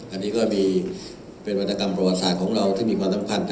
อันนี้ก็มีเป็นวัตกรรมประวัติศาสตร์ของเราที่มีความสำคัญ